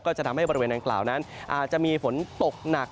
จะทำให้บริเวณดังกล่าวนั้นอาจจะมีฝนตกหนัก